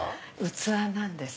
器なんです。